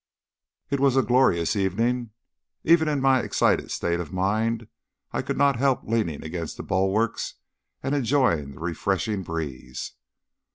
It was a glorious evening. Even in my excited state of mind I could not help leaning against the bulwarks and enjoying the refreshing breeze.